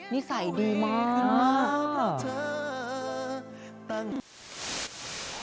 นิสัยดีมาก